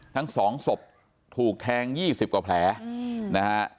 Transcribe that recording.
ทั้งสองศพถูกแทง๒๐กว่าแผลนะฮะ